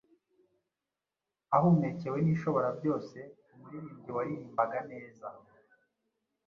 Ahumekewe n’Ishoborabyose, Umuririmbyi waririmbaga neza